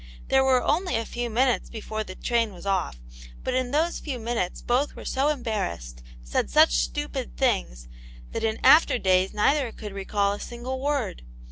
There were only a few minutes before the train was off, but in those few minutes both were so embarrassed, said such stupid things that in after days neither could recall a single word.